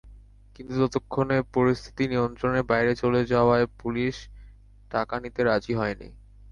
কিন্তু ততক্ষণে পরিস্থিতি নিয়ন্ত্রণের বাইরে চলে যাওয়ায় পুলিশ টাকা নিতে রাজি হয়নি।